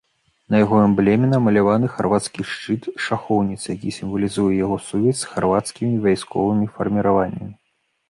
На яго эмблеме намаляваны харвацкі шчыт-шахоўніца, які сімвалізуе яго сувязь з харвацкімі вайсковымі фарміраваннямі.